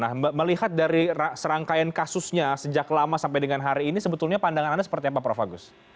nah melihat dari serangkaian kasusnya sejak lama sampai dengan hari ini sebetulnya pandangan anda seperti apa prof agus